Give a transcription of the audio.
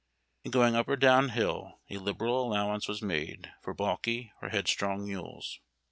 In going up or down hill a liberal allowance v/as made for balky or headstrong mules.